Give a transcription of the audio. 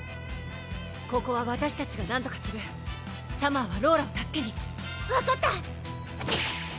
ここはわたしたちがなんとかするサマーはローラを助けに分かった！